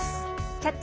「キャッチ！